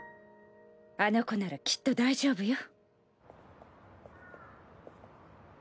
あの子ならきっと大丈夫よ。